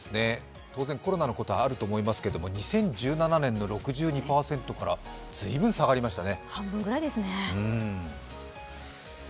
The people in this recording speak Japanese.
当然コロナのことはあるとは思いますけれども、２０１７年の６２％からずいぶん下がりましたね。